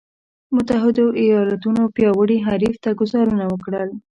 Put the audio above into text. متحدو ایالتونو پیاوړي حریف ته ګوزارونه ورکړل.